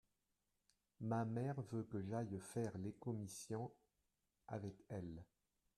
Ma mère veut que j’aille faire les commissions avec elle.